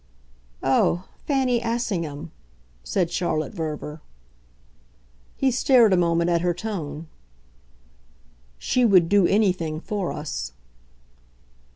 "Oh, Fanny Assingham!" said Charlotte Verver. He stared a moment at her tone. "She would do anything for us."